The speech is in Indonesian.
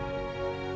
g pantai mam